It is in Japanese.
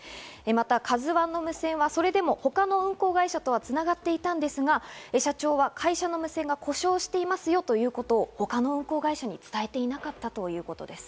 また「ＫＡＺＵ１」の無線はそれでも他の運航会社とは繋がっていたんですが、社長は会社の無線が故障していますよということを他の運航会社に伝えていなかったということです。